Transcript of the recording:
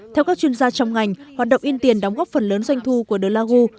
theo các chuyên gia trong ngành hoạt động yên tiền đóng góp phần lớn doanh thu của galago